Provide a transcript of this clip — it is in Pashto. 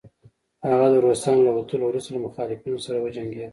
هغه د روسانو له وتلو وروسته له مخالفينو سره وجنګيد